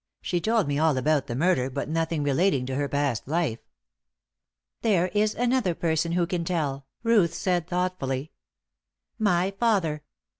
She told me all about the murder, but nothing relating to her past life." "There is another person who can tell," Ruth said, thoughtfully. "My father.